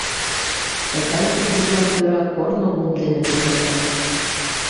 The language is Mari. Тыгай пургыжлан кӧра корно лум дене петырнен.